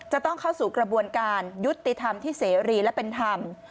จะต้องเข้าสู่กระบวนการยุติธรรมที่เสรีและเป็นธรรม